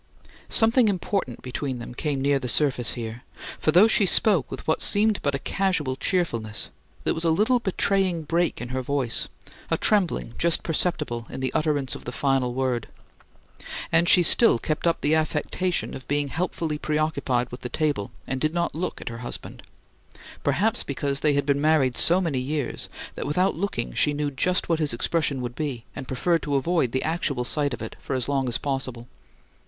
Something important between them came near the surface here, for though she spoke with what seemed but a casual cheerfulness, there was a little betraying break in her voice, a trembling just perceptible in the utterance of the final word. And she still kept up the affectation of being helpfully preoccupied with the table, and did not look at her husband perhaps because they had been married so many years that without looking she knew just what his expression would be, and preferred to avoid the actual sight of it as long as possible.